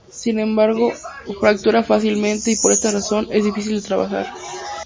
Sin embargo, fractura fácilmente y por esta razón es difícil de trabajar.